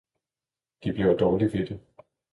De bliver dårlig ved det.